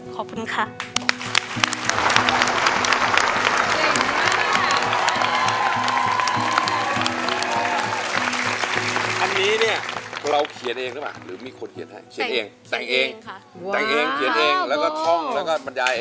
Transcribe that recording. ขอบคุณค่ะ